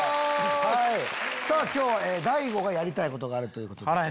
今日は大悟がやりたいことがあるということで。